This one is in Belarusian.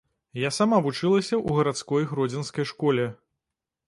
Я сама вучылася ў гарадской гродзенскай школе.